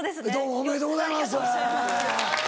ありがとうございます。